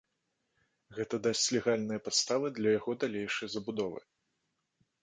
Гэта дасць легальныя падставы для яго далейшай забудовы.